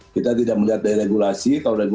kita tidak melihat dari regulasi